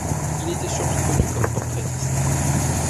Il était surtout connu comme portraitiste.